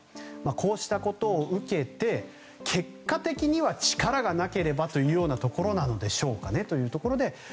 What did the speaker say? こうしたことを受けて結果的には力がなければというところなのでしょうか